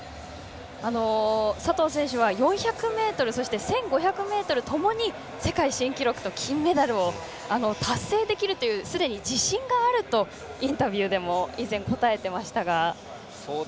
佐藤選手は４００ｍそして１５００ｍともに世界新記録と金メダルを達成できるというすでに自信があるとインタビューでも以前、答えていましたが。